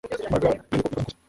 Mbaraga yemeye ko yakoze amakosa